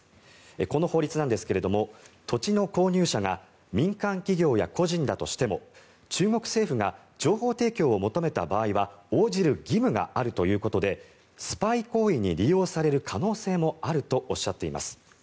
この法律なんですが土地の購入者が民間企業や個人だとしても中国政府が情報提供を求めた場合は応じる義務があるということでスパイ行為に利用される可能性もあるとおっしゃっています。